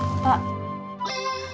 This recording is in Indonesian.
masih baro keren